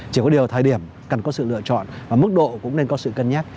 chỉ có điều thời điểm cần có sự lựa chọn và mức độ cũng nên có sự cân nhắc